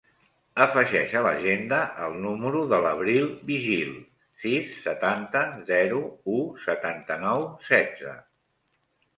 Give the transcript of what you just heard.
Afegeix a l'agenda el número de l'Abril Vigil: sis, setanta, zero, u, setanta-nou, setze.